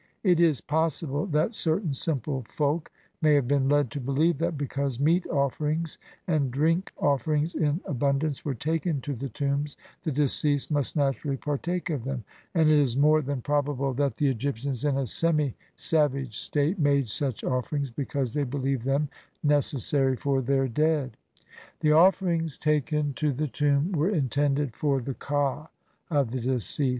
It is possible that certain simple folk may have been led to believe that because meat offerings and drink offerings in abundance were taken to the tombs the deceased must naturally partake of them, and it is more than probable that the Egyptians in a semi savage state made such offerings because they believed them ne cessary for their dead. The offerings taken to the tomb were intended for the ka of the deceased.